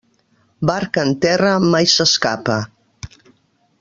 Barca en terra mai s'escapa.